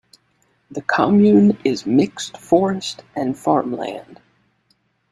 The commune is mixed forest and farmland.